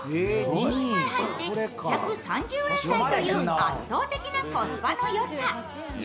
２人前入って１３０円台という圧倒的なコスパの良さ。